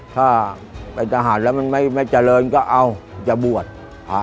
ถ้าเป็นทหารแล้วมันไม่ไม่เจริญก็เอาจะบวชอ่า